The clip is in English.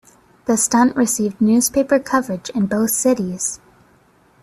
The stunt received newspaper coverage in both cities.